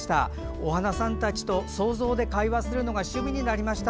お花さんたちと想像で会話するのが趣味になりました。